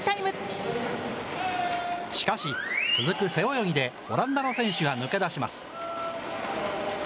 しかし、続く背泳ぎで、オランダの選手が抜け出します。